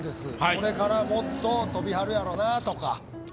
これからもっと飛びはるやろうなとか。